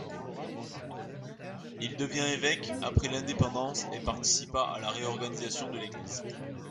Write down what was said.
Il devint évêque après l'indépendance et participa à la réorganisation de l'église.